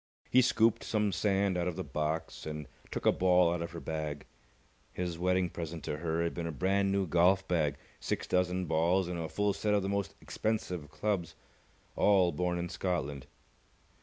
He scooped some sand out of the box, and took a ball out of her bag. His wedding present to her had been a brand new golf bag, six dozen balls, and a full set of the most expensive clubs, all born in Scotland.